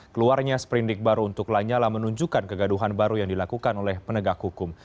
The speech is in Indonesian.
keluarnya seperindik baru untuk lanyala menunjukkan kegaduhan baru yang dilakukan oleh penegak hukum